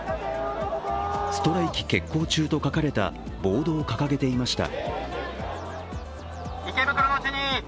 「ストライキ決行中」と書かれたボードを掲げていました。